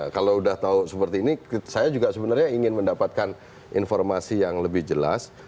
kalau sudah tahu seperti ini saya juga sebenarnya ingin mendapatkan informasi yang lebih jelas